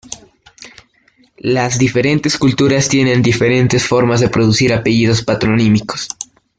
Las diferentes culturas tienen diferentes formas de producir apellidos patronímicos.